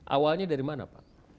awalnya dari mana pak